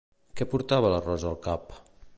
Què portava la Rosa al cap?